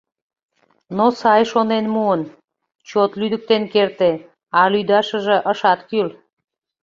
Но сай шонен муын, чот лӱдыктен керте, а лӱдашыже ышат кӱл.